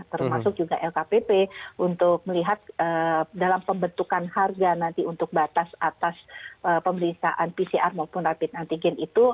termasuk juga lkpp untuk melihat dalam pembentukan harga nanti untuk batas atas pemeriksaan pcr maupun rapid antigen itu